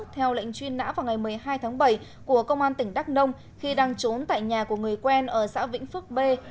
theo lệnh truy nã vào ngày một mươi hai tháng bảy của công an tỉnh đắk nông khi đang trốn tại nhà của người quen ở xã vĩnh phước b